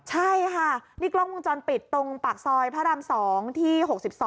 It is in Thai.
ใช่ค่ะนี่กล้องวงจรปิดตรงปากซอยพระราม๒ที่๖๒